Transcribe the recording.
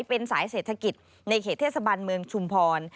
เป็นสายเศรษฐกิจในเขตเทศบันเมืองชุมพร